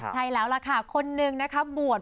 ใช่แล้วละค่ะคนหนึ่งบวช